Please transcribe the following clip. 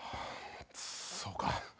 そうか。